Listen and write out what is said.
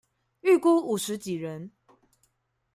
預估五十幾人